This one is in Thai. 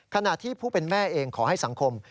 ขณะที่ผู้เป็นแม่เองขอให้สังคม